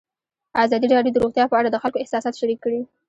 ازادي راډیو د روغتیا په اړه د خلکو احساسات شریک کړي.